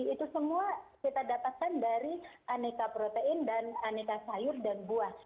itu semua kita dapatkan dari aneka protein dan aneka sayur dan buah